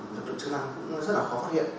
được được chức năng rất là khó phát hiện